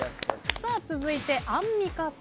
続いてアンミカさん。